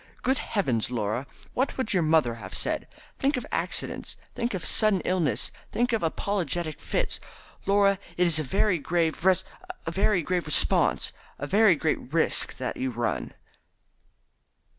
Good heavens, Laura! what would your mother have said? Think of accidents, think of sudden illness, think of apoplectic fits, Laura. It is a very grave res a very grave response a very great risk that you run."